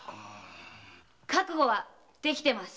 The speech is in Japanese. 覚悟はできてます。